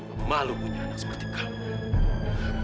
oh malu punya anak seperti kamu